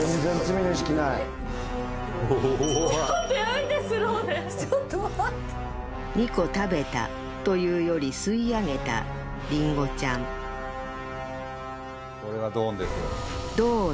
ちょっとやめてスローでちょっと待って２個食べたというより吸い上げたりんごちゃんドーン！